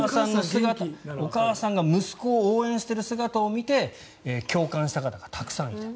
お母さんが息子を応援している姿を見て共感した方々がたくさんいた。